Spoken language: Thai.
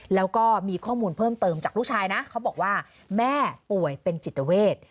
แล้วก็มีข้อมูลเพิ่มเติมจากลูกชายนะเขาบอกว่าแม่ป่วยเป็นจิตเวท